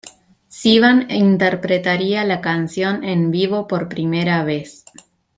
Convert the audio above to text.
Sivan interpretaría la canción en vivo por primera vez.